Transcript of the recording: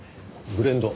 ブレンド。